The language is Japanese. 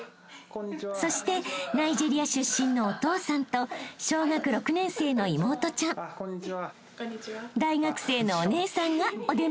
［そしてナイジェリア出身のお父さんと小学６年生の妹ちゃん大学生のお姉さんがお出迎え］